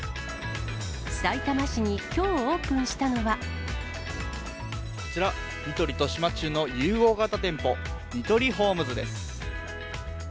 さいたま市にきょうオープンしたこちら、ニトリと島忠の融合型店舗、ニトリホームズです。